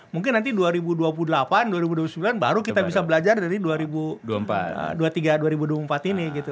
mungkin nanti dua ribu dua puluh delapan dua ribu dua puluh sembilan baru kita bisa belajar dari dua ribu dua puluh tiga dua ribu dua puluh empat ini gitu